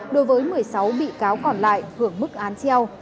đối với một mươi sáu bị cáo còn lại hưởng mức án treo